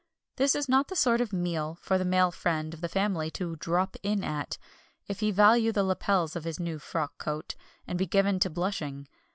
This is not the sort of meal for the male friend of the family to "drop in" at, if he value the lapels of his new frock coat, and be given to blushing.